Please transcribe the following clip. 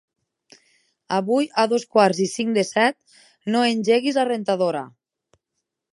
Avui a dos quarts i cinc de set no engeguis la rentadora.